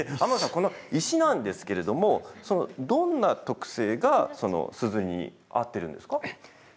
この石なんですけれどどんな特性が、すずりに合っているんですか？